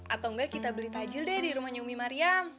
atau enggak kita beli tajil deh di rumahnya umi mariam